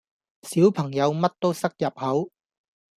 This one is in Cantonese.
小朋友乜都塞入口